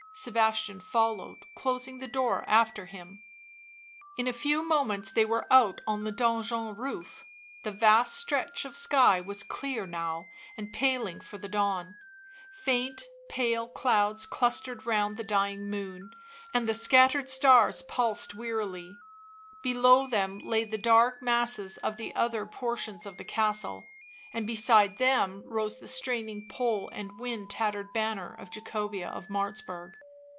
Sebastian followed, closing the door after him. In a few moments they were out on the donjon roof. The vast stretch of sky was clear now and paling for the dawn; faint pale clouds clustered round the dying moon, and the Digitize^ by UNIVERSITY OF'MICHIGAN Original from UNIVERSITY OF MICHIGAN 152 BLACK MAGIC f scattered stars pulsed wearily. Below them lay the dark masses of the other portions of the castle, and beside them rose the straining pole and wind tattered banner of Jacobea of Martzburg.